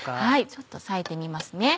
ちょっと割いてみますね。